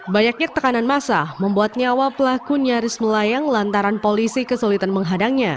banyaknya tekanan massa membuat nyawa pelaku nyaris melayang lantaran polisi kesulitan menghadangnya